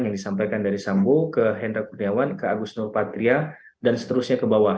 yang disampaikan dari sambo ke hendra kurniawan ke agus nurpatria dan seterusnya ke bawah